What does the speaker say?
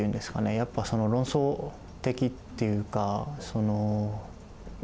やっぱ論争的っていうかまあ